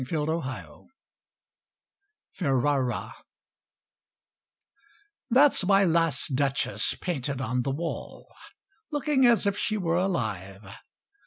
MY LAST DUCHESS Ferrara That's my last Duchess painted on the wall, Looking as if she were alive.